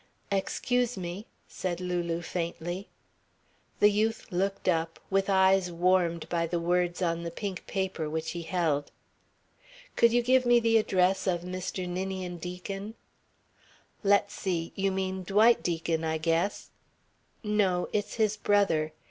"Excuse me," said Lulu faintly. The youth looked up, with eyes warmed by the words on the pink paper which he held. "Could you give me the address of Mr. Ninian Deacon?" "Let's see you mean Dwight Deacon, I guess?" "No. It's his brother.